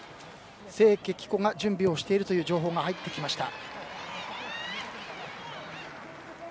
清家貴子が準備しているという情報が入ってきました。